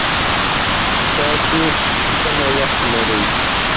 تاسو کله وخت لري